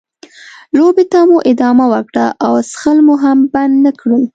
لوبې ته مو ادامه ورکړه او څښل مو هم بند نه کړل.